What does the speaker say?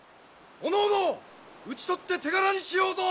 おのおの討ち取って手柄にしようぞ！